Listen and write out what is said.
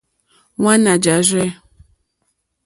Wàná jáàrzɛ̂.